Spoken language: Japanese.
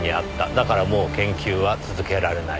だからもう研究は続けられない。